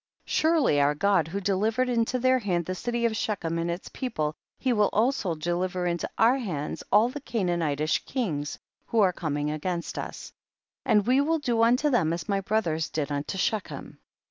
Surely our Gocl who delivered into their hand the city of Shechem and its people, he will also deliver into our hands all the Canaanitish kings who are coming against us, and we will do unto them as my bro thers did unto Shechem.